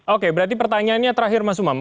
oke berarti pertanyaannya terakhir mas umam